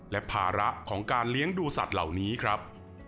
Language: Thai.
และภาระของการเลี้ยงดูสัตว์เหล่านี้ครับ